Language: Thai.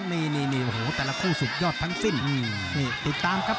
นี่นี่โอ้โหแต่ละคู่สุดยอดทั้งสิ้นนี่ติดตามครับ